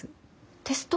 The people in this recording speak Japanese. テスト？